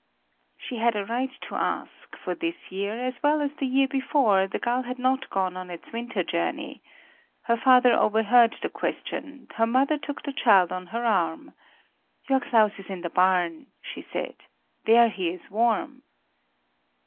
She had a right to ask, for this year, as well as the year before, the gull had not gone on its winter journey. Her father overheard the question; her mother took the child on her arm. "Your Claus is in the barn," she said; "there he is warm."